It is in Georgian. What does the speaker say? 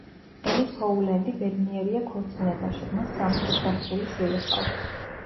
ელის ჰოულენდი ბედნიერია ქორწინებაში, მას სამი ზრდასრული შვილი ჰყავს.